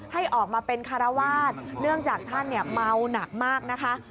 ให้ออกมาเป็นคารวาสเนื่องจากท่านเมาหนักมากนะคะ